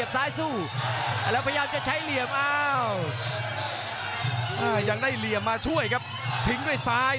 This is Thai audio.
ตบได้มาถูกซ้าย